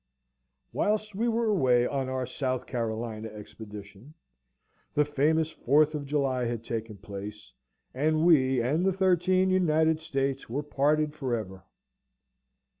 Whilst we were away on our South Carolina expedition, the famous Fourth of July had taken place, and we and the thirteen United States were parted for ever.